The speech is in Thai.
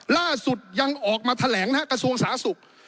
ล่าสุดยังออกมาแถลงในกระทรวงสาศุกร์